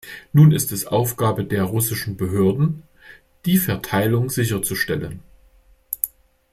Nun ist es Aufgabe der russischen Behörden, die Verteilung sicherzustellen.